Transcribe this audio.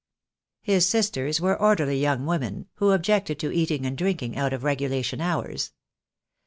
His sisters were orderly young women who objected to eating and drinking out of regulation hours.